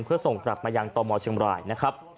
เพื่อส่งกลับมายังต่อมชมนะครับ